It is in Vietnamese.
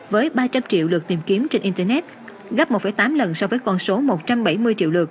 với ba trăm linh triệu lượt tìm kiếm trên internet gấp một tám lần so với con số một trăm bảy mươi triệu lượt